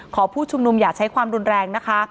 ผู้ชุมนุมอย่าใช้ความรุนแรงนะคะ